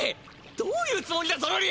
どういうつもりだゾロリ！